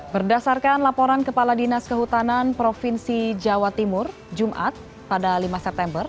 berdasarkan laporan kepala dinas kehutanan provinsi jawa timur jumat pada lima september